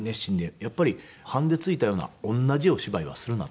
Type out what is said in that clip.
やっぱり「判でついたような同じお芝居はするな」と。